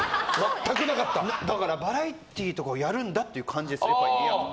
だから、バラエティーとかやるんだっていう感じです。